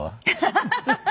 ハハハハ。